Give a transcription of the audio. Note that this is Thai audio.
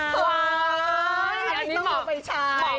อุ๊ยอันนี้น้องขาไปใช้